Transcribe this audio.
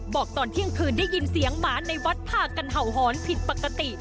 บอกตอนเที่ยงคืนได้ยินเสียงหมาในวัดพากันเห่าหอนผิดปกติ